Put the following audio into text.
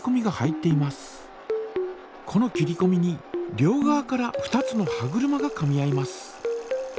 この切りこみに両側から２つの歯車がかみ合います。